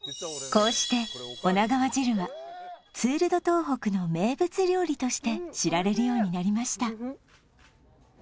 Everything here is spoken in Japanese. こうして女川汁はツール・ド・東北の名物料理として知られるようになりました